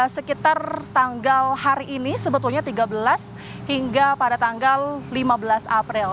sekitar tanggal hari ini sebetulnya tiga belas hingga pada tanggal lima belas april